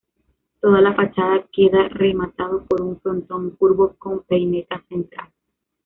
Toda la fachada queda rematado por un frontón curvo con peineta central.